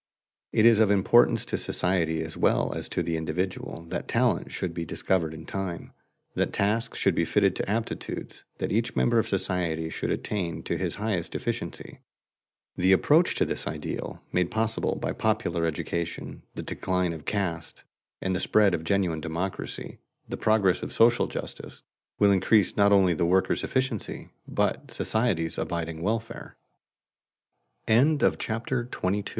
It is of importance to society as well as to the individual that talent should be discovered in time, that tasks should be fitted to aptitudes, that each member of society should attain to his highest efficiency. The approach to this ideal, made possible by popular education, the decline of caste, the spread of genuine democracy, the progress of social justice, will increase not onl